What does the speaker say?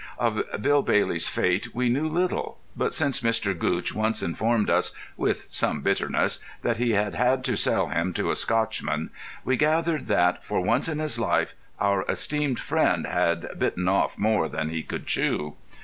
Of Bill Bailey's fate we knew little, but since Mr. Gootch once informed us with some bitterness that he had had to sell him to a Scotchman, we gathered that, for once in his life, our esteemed friend had "bitten off more than he could chew."